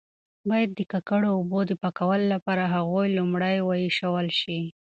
باید د ککړو اوبو د پاکولو لپاره هغوی لومړی وایشول شي.